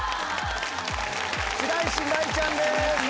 白石麻衣ちゃんです！